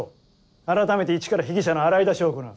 あらためていちから被疑者の洗い出しを行う。